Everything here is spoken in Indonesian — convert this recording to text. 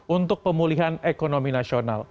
untuk pemulihan ekonomi nasional